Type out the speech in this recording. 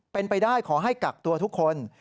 เป็นไปได้ขอให้กักตัวทุกคน